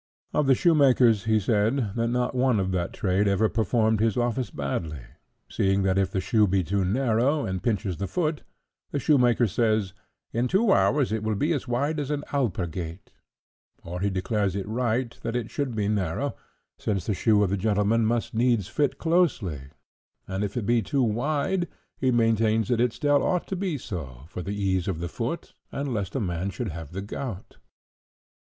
Of the shoemakers he said, that not one of that trade ever performed his office badly; seeing that if the shoe be too narrow, and pinches the foot, the shoemaker says, "In two hours it will be as wide as an alpargate;" or he declares it right that it should be narrow, since the shoe of a gentleman must needs fit closely; and if it be too wide, he maintains that it still ought to be so, for the ease of the foot, and lest a man should have the gout.